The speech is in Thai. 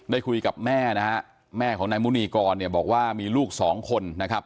ได้คุยกับแม่นะฮะแม่ของนายมุนีกรเนี่ยบอกว่ามีลูกสองคนนะครับ